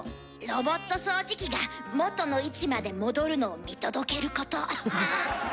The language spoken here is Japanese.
ロボット掃除機がもとの位置まで戻るのを見届けること。